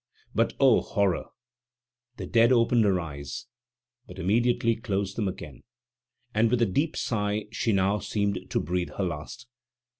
But oh, horror! The dead opened her eyes, but immediately closed them again, and with a deep sigh she now seemed to breathe her last.